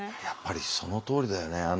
やっぱりそのとおりだよね。